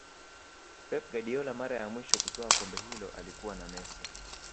pep Guardiola mara ya mwisho kutwaa kombe hilo alikuwa na messi